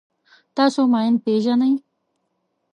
تاسو ماین پېژنئ.